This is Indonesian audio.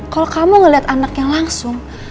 kalau kamu melihat anak yang langsung